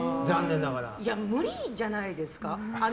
無理じゃないですか。